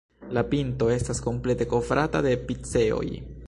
La pinto estas komplete kovrata de piceoj.